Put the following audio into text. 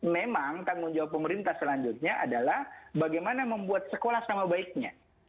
memang tanggung jawab pemerintah selanjutnya adalah bagaimana membuat sekolah sama baiknya